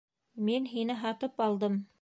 Мин һине һатып алдым!